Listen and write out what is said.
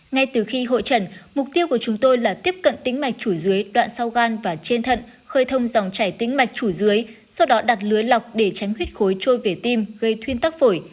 ngay từ khi hội trận mục tiêu của chúng tôi là tiếp cận tính mạch chủ dưới đoạn sau gan và trên thận khơi thông dòng trải tính mạch chủ dưới sau đó đặt lưới lọc để tránh huyết khối trôi về tim gây thuyên tắc phổi